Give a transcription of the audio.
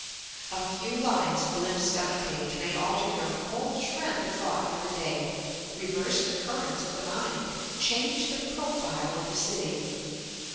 A few lines glimpsed on a page may alter your whole trend of thought for the day, reverse the currents of the mind, change the profile of the city.